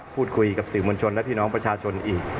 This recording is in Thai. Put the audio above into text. พูดคุยกับสื่อมวลชนและพี่น้องประชาชนอีก